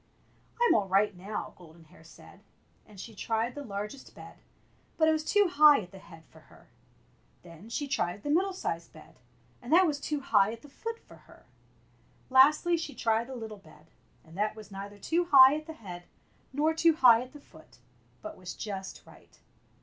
"I'm all right now," Golden Hair said; and she tried the largest bed, but it was too high at the head for her. Then she tried the middle sized bed, and that was too high at the foot for her. Lastly she tried the little bed, and that was neither too high at the head nor too high at the foot, but was just right.